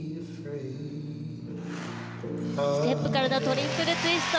ステップからのトリプルツイスト。